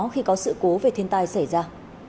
khi có sự cố về thiên tai xảy ra